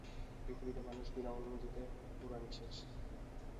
পৃথিবীতে মানুষের বিনা অনুমতিতে উড়া নিষেধ।